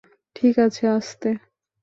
ঠিক আছে, আস্তে।